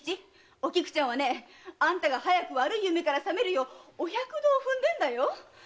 おきくちゃんはあんたが早く悪い夢から覚めるようお百度を踏んでるんだよ！